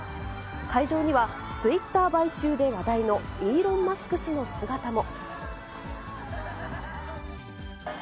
会場には、ツイッター買収で話題のイーロン・マスク氏の姿も。